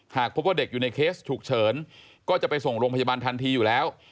หากพบว่าเด็กอยู่ในเคสฉุกเฉินก็จะไปส่งโรงพยาบาลทันทีอยู่แล้ว